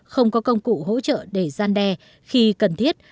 không có công cụ hỗ trợ để gian đe khi cần thiết